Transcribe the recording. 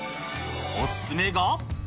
お勧めが。